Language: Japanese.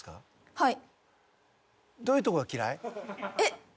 はい！